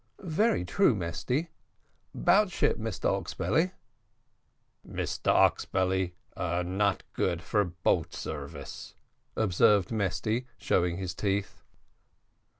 "Very true, Mesty. 'Bout ship, Mr Oxbelly." "Mr Oxbelly not good for boat sarvice," observed Mesty, showing his teeth.